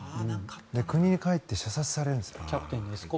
国に帰って射殺されるんです。